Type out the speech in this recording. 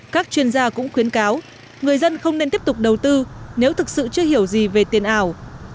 các chuyên gia cũng khuyến cáo người dân không nên tiếp tục đầu tư nếu thực sự chưa hiểu gì về tiền ảo